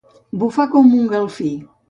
Bufar com un galfí.